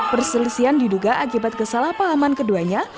perselisian diduga akibat kesalahpahaman keduanya